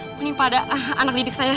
menimpa ada anak didik saya